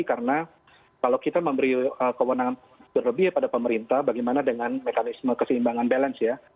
karena kalau kita memberi kewenangan terlebih pada pemerintah bagaimana dengan mekanisme keseimbangan balance ya